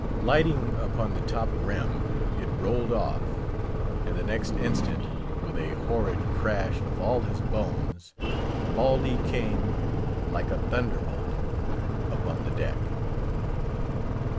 Lighting upon the top rim, it rolled off; and the next instant, with a horrid crash of all his bones, Baldy came, like a thunderbolt, upon the deck.